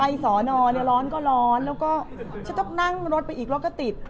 สอนอเนี่ยร้อนก็ร้อนแล้วก็จะต้องนั่งรถไปอีกรถก็ติด